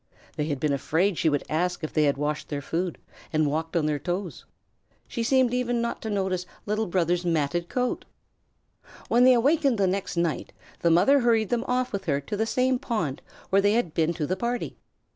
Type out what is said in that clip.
They had been afraid she would ask if they had washed their food and walked on their toes. She even seemed not to notice Little Brother's matted coat. When they awakened the next night, the mother hurried them off with her to the same pond where they had been to the party.